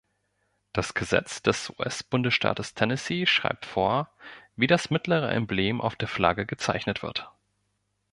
Das Gesetz des US-Bundesstaates Tennessee schreibt vor, wie das mittlere Emblem auf der Flagge gezeichnet wird.